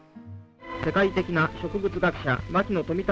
「世界的な植物学者牧野富太郎博士の」。